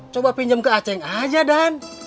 coba pinjam ke aceh aja dan